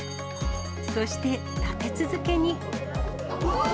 そして、立て続けに。